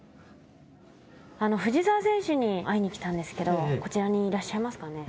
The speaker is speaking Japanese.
藤澤選手に会いに来たんですけどこちらにいらっしゃいますかね？